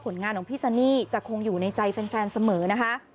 งานของพี่ซันนี่จะคงอยู่ในใจแฟนเสมอนะคะ